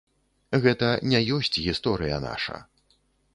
Гэта не ёсць гісторыя наша.